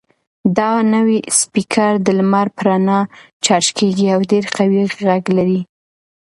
دا نوی سپیکر د لمر په رڼا چارج کیږي او ډېر قوي غږ لري.